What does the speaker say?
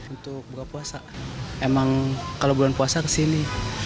untuk berbuka puasa emang kalau berbuka puasa kesini